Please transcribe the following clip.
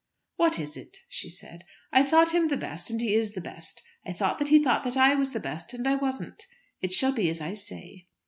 "What is it?" she said. "I thought him the best and he is the best. I thought that he thought that I was the best; and I wasn't. It shall be as I say."